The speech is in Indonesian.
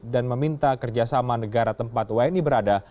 dan meminta kerjasama negara tempat wni berada